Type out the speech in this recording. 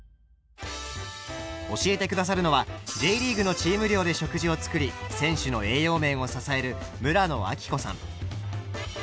教えて下さるのはＪリーグのチーム寮で食事を作り選手の栄養面を支える村野明子さん。